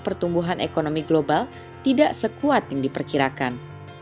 pertumbuhan ekonomi global tidak sekuat yang diperkirakan